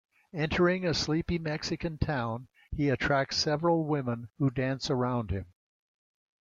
Entering a sleepy Mexican town, he attracts several women who dance around him.